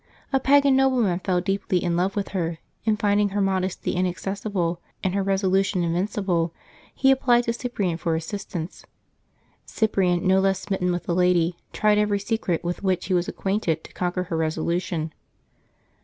A pagan nobleman fell deeply in love with her, and finding her modesty inaccessible, and her reso lution invincible, he applied to Cyprian for assistance. Cyprian, no less smitten with the lady, tried every secret with which he was acquainted to conquer her resolution.